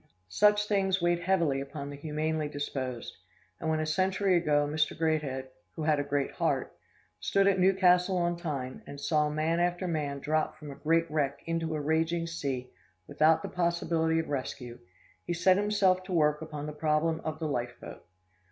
Such things weighed heavily upon the humanely disposed; and when a century ago Mr. Greathead, who had a great heart, stood at Newcastle on Tyne, and saw man after man drop from a great wreck into a raging sea without the possibility of rescue, he set himself to work upon the problem of the life boat.